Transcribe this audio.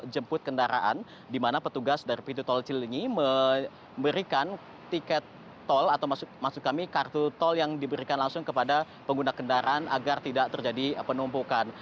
jemput kendaraan di mana petugas dari pintu tol cilinyi memberikan tiket tol atau maksud kami kartu tol yang diberikan langsung kepada pengguna kendaraan agar tidak terjadi penumpukan